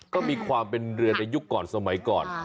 ก็มีความเป็นเรือในยุคก่อนสมัยก่อน